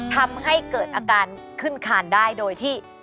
ทำให้เกิดอาการขึ้นคานได้โดยที่